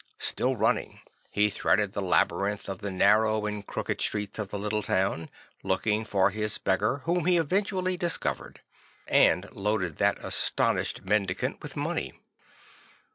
Still running, he threaded the labyrinth of the narrow and crooked streets of the little town, looking for his beggar, whom he eventually discovered; and loaded that astonished mendicant with money.